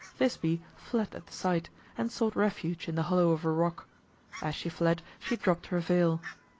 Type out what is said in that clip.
Thisbe fled at the sight, and sought refuge in the hollow of a rock. As she fled she dropped her veil.